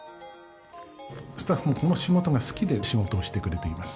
スタッフもこの仕事が好きで仕事をしてくれています。